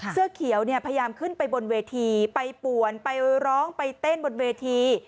เสื้อเขียวเนี่ยพยายามขึ้นไปบนเวทีไปป่วนไปร้องไปเต้นบนเวที